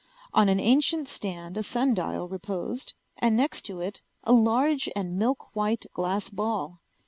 On an ancient stand a sun dial reposed, and next to it a large and milk white glass ball.